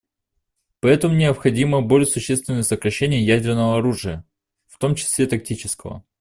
Поэтому необходимы более существенные сокращения ядерного оружия, в том числе тактического.